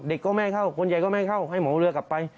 ก็ไม่ให้เข้าคนใหญ่ก็ไม่ให้เข้าให้หมอเรือกลับไป